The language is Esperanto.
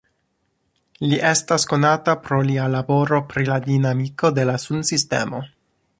Li estas konata pro lia laboro pri la dinamiko de la sunsistemo.